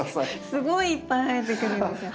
すごいいっぱい生えてくるんですよ